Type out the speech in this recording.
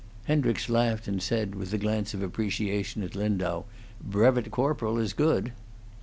Hendricks laughed and said, with a glance of appreciation at Lindau, "Brevet corporal is good."